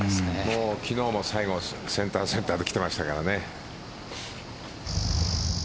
昨日も最後センター、センターで来てましたからね。